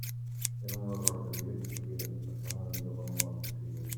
Era un horror de vida que s'havia de fer passar amb el millor bon humor possible.